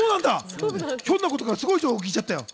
ひょんなことからすごい情報を聞いちゃったよ。